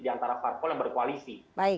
diantara parpol yang berkoalisi